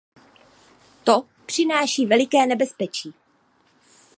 To přináší veliké nebezpečí.